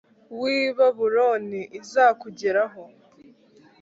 W i babuloni izakugeraho